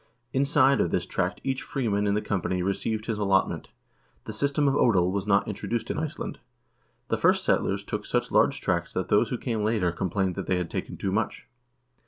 Inside of this tract each freeman in the company received his allotment. The system of odel was not introduced in Iceland. The first settlers took such large tracts that those who came later complained that they had taken too much.